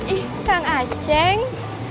ih kang aceh